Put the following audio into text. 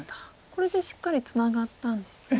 これでしっかりツナがったんですね。